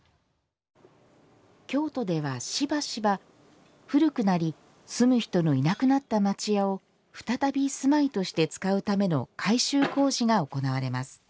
京都ではしばしば古くなり住む人のいなくなった町家を再び住まいとして使うための改修工事が行われます。